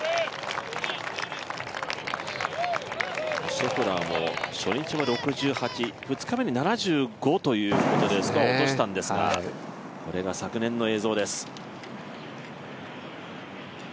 シェフラーも初日は６８２日目に７５ということでスコアを落としたんですが、これが昨年の映像です。